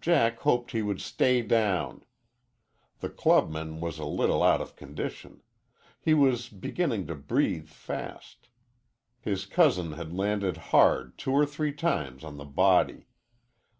Jack hoped he would stay down. The clubman was a little out of condition. He was beginning to breathe fast. His cousin had landed hard two or three times on the body.